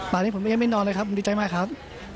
ตอนนี้ผมยังไม่นอนเลยครับผมดีใจมากครับ